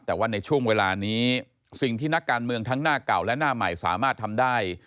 แต่ว่าในช่วงเวลานี้สิ่งที่นักการเมืองทั้งหน้าเก่าและหน้าใหม่สามารถทำได้